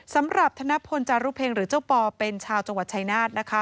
สำหรับธนพลจารุเพ็งหรือเจ้าปอเป็นชาวจังหวัดชายนาฏ